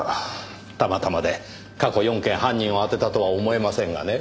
たまたまで過去４件犯人を当てたとは思えませんがね。